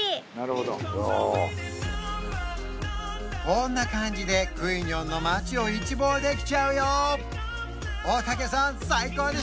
こんな感じでクイニョンの町を一望できちゃうよ！